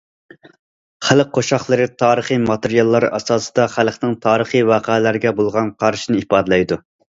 خەلق قوشاقلىرى تارىخىي ماتېرىياللار ئاساسىدا خەلقنىڭ تارىخىي ۋەقەلەرگە بولغان قارىشىنى ئىپادىلەيدۇ.